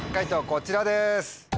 こちらです。